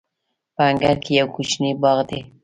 په انګړ کې یو کوچنی باغ دی.